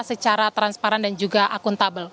secara transparan dan juga akuntabel